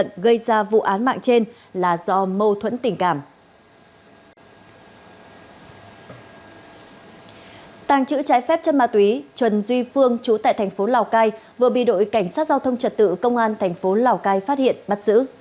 trần duy phương trú tại thành phố lào cai vừa bị đội cảnh sát giao thông trật tự công an thành phố lào cai phát hiện bắt giữ